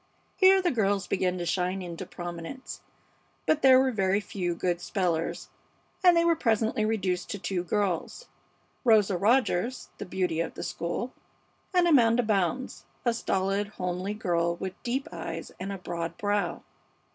Here the girls began to shine into prominence, but there were very few good spellers, and they were presently reduced to two girls Rosa Rogers, the beauty of the school, and Amanda Bounds, a stolid, homely girl with deep eyes and a broad brow.